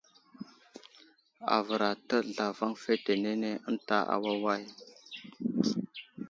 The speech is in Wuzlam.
Avər atəɗ zlavaŋ fetenene ənta awaway.